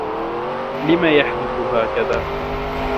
لم يحدث هكذا.